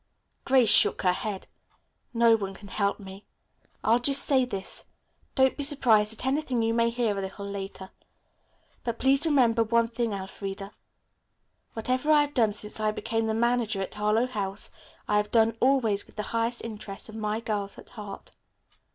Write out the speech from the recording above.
Grace shook her head. "No one can help me. I'll just say this. Don't be surprised at anything you may hear a little later. But please remember one thing, Elfreda. Whatever I have done since I became the manager of Harlowe House I have done always with the highest interests of my girls at heart."